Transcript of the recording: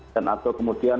dan atau kemudian